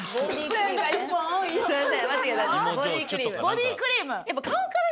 ボディークリーム。